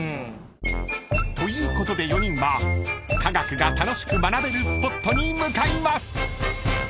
［ということで４人は科学が楽しく学べるスポットに向かいます］